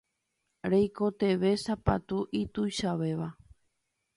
Reikotevẽ sapatu ituichavéva.